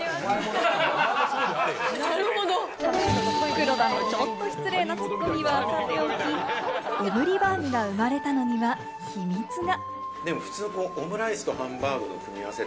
黒田のちょっと失礼なツッコミはさておき、オムリバーグが生まれたのには秘密が。